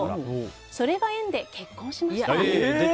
それが縁で結婚しました。